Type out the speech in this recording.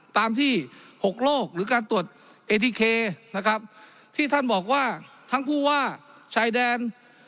ตามที่หกโลกหรือการตรวจเอทีเคนะครับที่ท่านบอกว่าทั้งผู้ว่าชายแดน